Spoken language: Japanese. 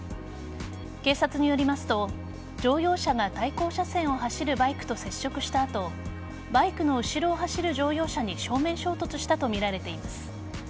警察によりますと乗用車が対向車線を走るバイクと接触した後バイクの後ろを走る乗用車に正面衝突したとみられています。